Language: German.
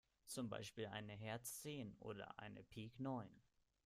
Zum Beispiel eine Herz zehn oder eine Pik neun.